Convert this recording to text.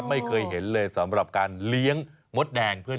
พี่ทศพรบอกว่าเดือนนึงนี้นะ